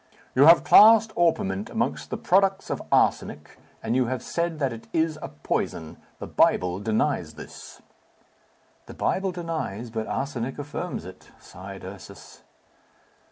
"You have classed orpiment amongst the products of arsenic, and you have said that it is a poison. The Bible denies this." "The Bible denies, but arsenic affirms it," sighed Ursus.